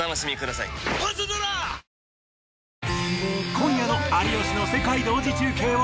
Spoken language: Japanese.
今夜の『有吉の世界同時中継』は。